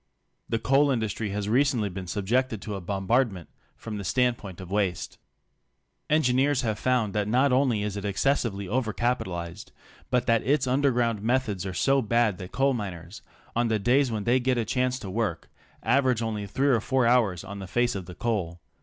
The coal industry has recently been subjected to a bom bardment from the standpoint of waste. Engineers have found that not only is it excessively over capitalized, but that its underground methods are so bad that coal miners — on the days when they get a chance to work — average only three or four hours on the face of the coal.